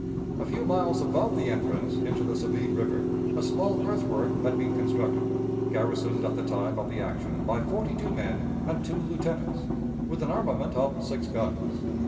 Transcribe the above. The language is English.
A few miles above the entrance into the Sabine River, a small earthwork had been constructed, garrisoned at the time of the action by forty two men and two lieutenants, with an armament of six guns.